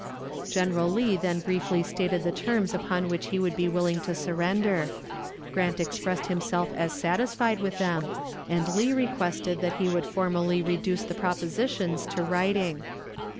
General Lee then briefly stated the terms upon which he would be willing to surrender. Grant expressed himself as satisfied with them, and Lee requested that he would formally reduce the propositions to writing.